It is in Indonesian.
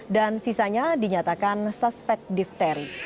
dan sisanya dinyatakan suspek difteri